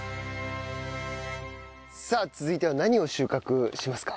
さあ続いては何を収穫しますか？